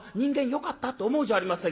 よかった』って思うじゃありませんか。